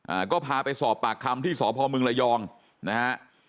อ่าก็พาไปสอบปากคำที่สอบพรหมึงระยองนะครับ